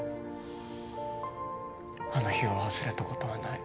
あの日を忘れたことはない。